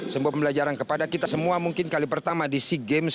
sebuah pembelajaran kepada kita semua mungkin kali pertama di sea games